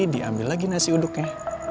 diambil lagi nasi uduknya